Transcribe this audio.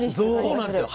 そうなんですよ。